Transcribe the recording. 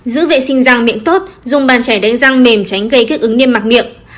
giữ vệ sinh răng miệng tốt dùng bàn chảy đánh răng mềm tránh gây kích ứng niêm mặc miệng